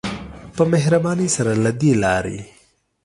په مهربانی سره له دی لاری.